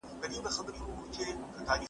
ايا ته قلم کاروې!.